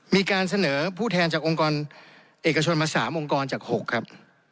มีการเสนอผู้แทนจากองค์กรเอกชนมา๓องค์กรจาก๖ครับ